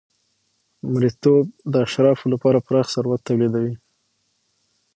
مریتوب د اشرافو لپاره پراخ ثروت تولیدوي.